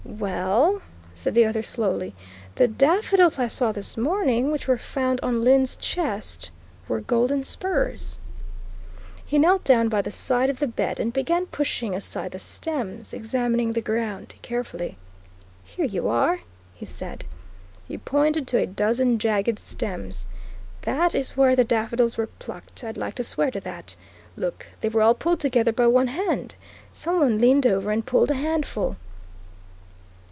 "Well," said the other slowly, "the daffodils I saw this morning which were found on Lyne's chest were Golden Spurs." He knelt down by the side of the bed and began pushing aside the stems, examining the ground carefully. "Here you are," he said. He pointed to a dozen jagged stems. "That is where the daffodils were plucked, I'd like to swear to that. Look, they were all pulled together by one hand. Somebody leaned over and pulled a handful."